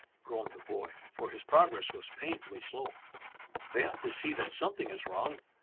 groaned the boy, for his progress was painfully slow; "they ought to see that something is wrong."